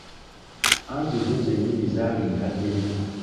Anti zo zennyini zaali nkadde nnyo.